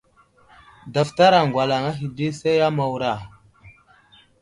Daftar aŋgalaŋ ahe di say a Mawra.